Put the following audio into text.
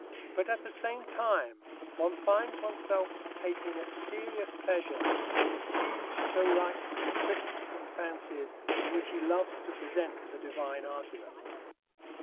But at the same time one finds oneself taking a serious pleasure in the huge sorites of quips and fancies in which he loves to present the divine argument.